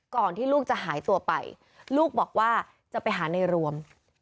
ก่อนที่ลูกจะหายตัวไปลูกบอกว่าจะไปหาในรวม